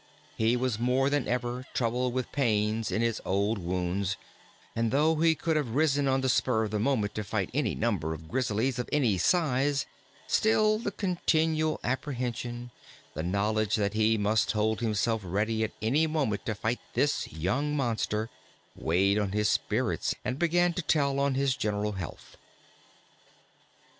He was more than ever troubled with pains in his old wounds, and though he could have risen on the spur of the moment to fight any number of Grizzlies of any size, still the continual apprehension, the knowledge that he must hold himself ready at any moment to fight this young monster, weighed on his spirits and began to tell on his general health.